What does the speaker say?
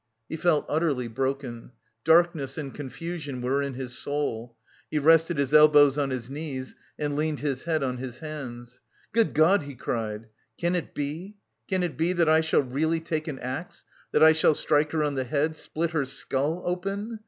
He felt utterly broken: darkness and confusion were in his soul. He rested his elbows on his knees and leaned his head on his hands. "Good God!" he cried, "can it be, can it be, that I shall really take an axe, that I shall strike her on the head, split her skull open...